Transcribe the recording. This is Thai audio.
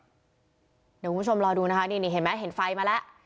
เดี๋ยวคุณผู้ชมรอดูนะคะนี่เห็นไหมเห็นไฟมาแล้ว